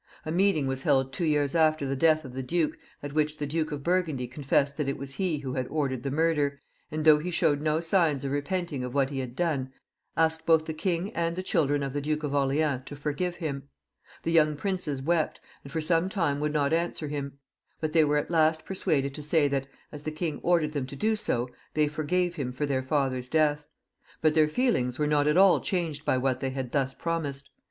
A meeting was held two years after the death of the duke, at which the Duke of Burgundy confessed that it was he who had ordered the murder, and though he showed no signs of repenting of what he had done, asked both the king and the children of the Duke of Orleans to forgive him. The young princes wept, and for some time would not answer him ; but they were at last persuaded to say that as the king ordered them to do so, they forgave him for their father^s death. But their feelings were not at all 194 CHARLES VL [CH. changed by what they had thus promised.